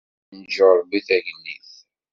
Ad yenǧu Rebbi tagellidt.